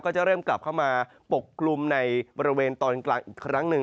จะเริ่มกลับเข้ามาปกกลุ่มในบริเวณตอนกลางอีกครั้งหนึ่ง